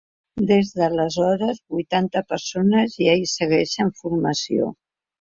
Des d’aleshores vuitanta persones ja hi segueixen formació.